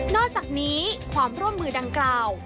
อกจากนี้ความร่วมมือดังกล่าว